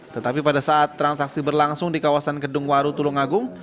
tetapi pada saat transaksi berlangsung di kawasan gedung waru tulungagung